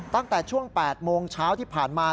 ตั้งแต่ช่วง๘โมงเช้าที่ผ่านมา